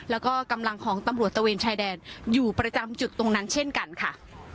แล้วก็กำลังของตำรวจตะเวนชายแดนอยู่ประจำจุดตรงนั้นเช่นกันค่ะ